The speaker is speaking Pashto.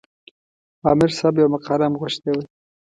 عامر صاحب یوه مقاله هم غوښتې وه.